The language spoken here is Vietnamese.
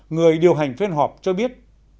người điều hành phiên họp cho biết